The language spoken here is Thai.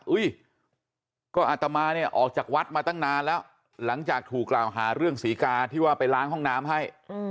อุ้ยก็อาตมาเนี่ยออกจากวัดมาตั้งนานแล้วหลังจากถูกกล่าวหาเรื่องศรีกาที่ว่าไปล้างห้องน้ำให้